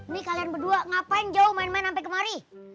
nih kalian berdua ngapain jauh main main sampai kemari